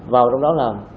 vào trong đó làm